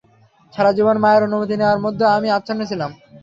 সারা জীবন মায়ের অনুমতি নেওয়ার মধ্যেই আমি আচ্ছন্ন ছিলাম।